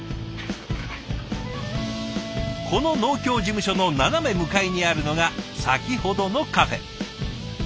この農協事務所の斜め向かいにあるのが先ほどのカフェ。